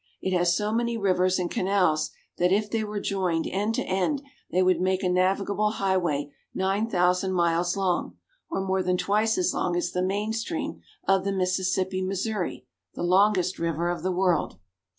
It has so many rivers and canals that if they were joined end to end they would make a navigable highway nine thousand miles long, or more than twice as long as the main stream of the Missis sippi Missouri, the longest river of the world.